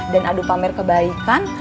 dan adu pamer kebaikan